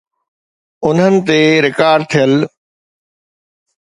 انهن تي رڪارڊ ٿيل.